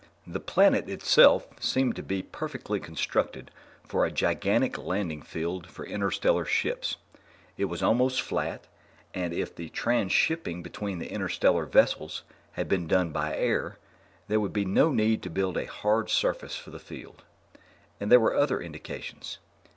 The planet itself seemed to be perfectly constructed for a gigantic landing field for interstellar ships. It was almost flat, and if the transhipping between the interstellar vessels had been done by air, there would be no need to build a hard surface for the field. And there were other indications.